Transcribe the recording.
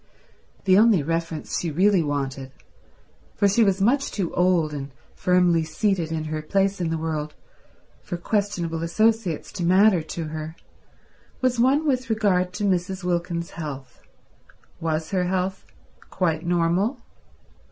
The only reference she really wanted, for she was much too old and firmly seated in her place in the world for questionable associates to matter to her, was one with regard to Mrs. Wilkins's health. Was her health quite normal?